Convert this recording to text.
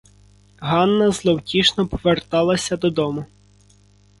Ганна зловтішно поверталася додому.